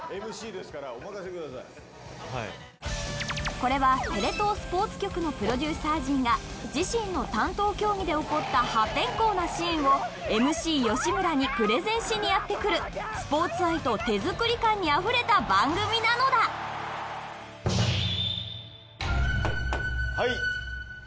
これはテレ東スポーツ局のプロデューサー陣が自身の担当競技で起こった破天荒なシーンをＭＣ吉村にプレゼンしにやってくるスポーツ愛と手作り感にあふれた番組なのだはい。